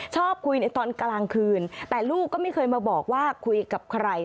ชอบคุยในตอนกลางคืนแต่ลูกก็ไม่เคยมาบอกว่าคุยกับใคร